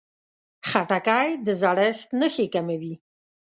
خټکی د زړښت نښې کموي.